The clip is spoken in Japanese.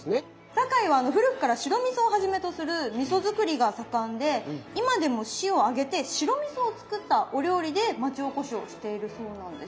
堺は古くから白みそをはじめとするみそ造りが盛んで今でも市を挙げて白みそを使ったお料理で町おこしをしているそうなんです。